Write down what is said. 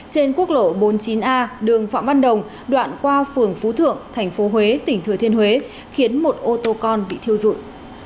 trên quốc lộ bốn mươi chín a đường phạm văn đồng đoạn qua phường phú thượng tp huế tỉnh thừa thiên huế khiến một ô tô con bị thiêu dụi